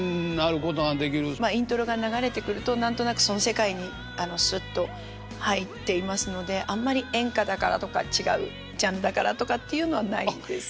まあイントロが流れてくると何となくその世界にすっと入っていますのであんまり演歌だからとか違うジャンルだからとかっていうのはないです。